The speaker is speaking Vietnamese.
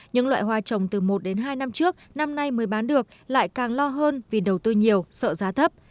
những loại hoa trồng từ một đến hai năm trước năm nay mới bán được lại càng lo hơn vì đầu tư nhiều sợ giá thấp